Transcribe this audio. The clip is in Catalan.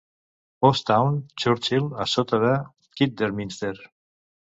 Post Town, Churchill, a sota de Kidderminster.